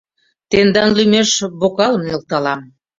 Тендан лӱмеш бокалым нӧлталам!